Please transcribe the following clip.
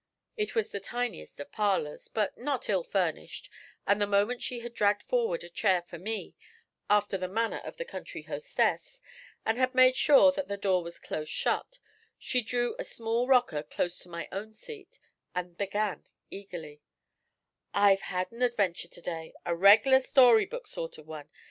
It was the tiniest of parlours, but not ill furnished, and the moment she had dragged forward a chair for me, after the manner of the country hostess, and had made sure that the door was close shut, she drew a small 'rocker' close to my own seat and began eagerly: 'I've had an adventer to day, a reg'lar story book sort of one.